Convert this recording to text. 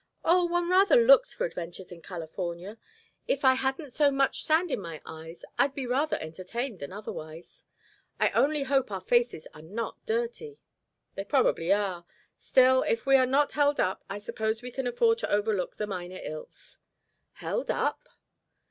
"Oh, one rather looks for adventures in California. If I hadn't so much sand in my eyes I'd be rather entertained than otherwise. I only hope our faces are not dirty." "They probably are. Still, if we are not held up, I suppose we can afford to overlook the minor ills." "Held up?"